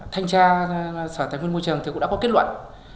thanh tra sở tài nguyên môi trường thì cũng đã có kết luận